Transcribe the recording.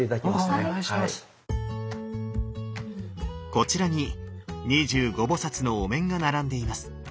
こちらに二十五菩のお面が並んでいます。